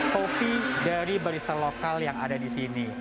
kopi dari barisan lokal yang ada di sini